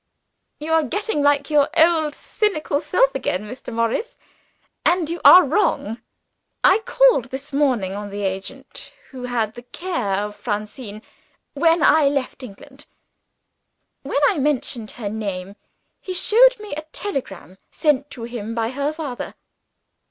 "You are getting like your old cynical self again, Mr. Morris and you are wrong. I called this morning on the agent who had the care of Francine, when I left England. When I mentioned her name, he showed me a telegram, sent to him by her father.